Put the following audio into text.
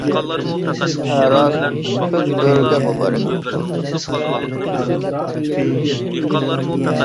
ھە راست، كۆك بۆرىگە مۇبارەك بولسۇن!